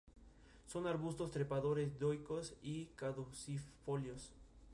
La ecuación de Monod se usa comúnmente en ingeniería ambiental.